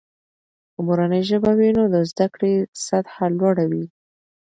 که مورنۍ ژبه وي، نو د زده کړې سطحه لوړه وي.